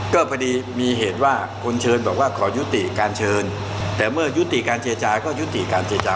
ก็พอดีมีเหตุว่าคุณเชิญบอกว่าขอยุติการเชิญแต่เมื่อยุติการเจรจาก็ยุติการเจรจา